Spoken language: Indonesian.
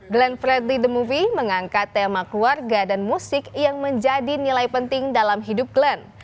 glenn fredly the movie mengangkat tema keluarga dan musik yang menjadi nilai penting dalam hidup glenn